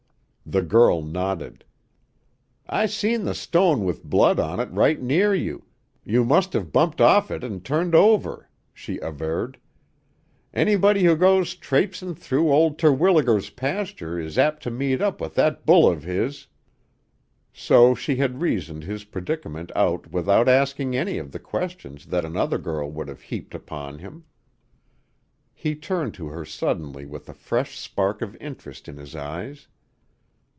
The girl nodded. "I seen the stone with blood on it right near you; you must have bumped off it an' turned over," she averred. "Anybody who goes traipsin' through old Terwilliger's pasture is apt to meet up with that bull of his." So she had reasoned his predicament out without asking any of the questions that another girl would have heaped upon him. He turned to her suddenly with a fresh spark of interest in his eyes.